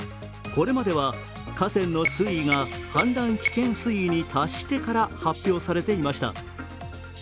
これまでは河川の水位が氾濫危険水位に達してから発表されていました。